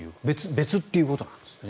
別ってことなんですね。